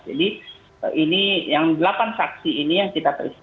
jadi ini yang delapan saksi ini yang kita periksa